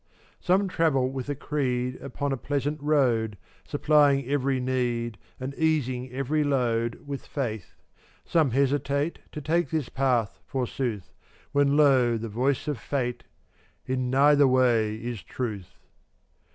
434 Some travel with a creed Upon a pleasant road, Supplying every need And easing every load With faith; some hesitate To take this path, forsooth, When lo! the voice of Fate: "In neither way is Truth."